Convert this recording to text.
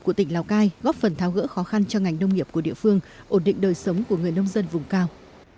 chăn tháo gỡ khó khăn cho ngành nông nghiệp của địa phương ổn định đời sống của người nông dân vùng cao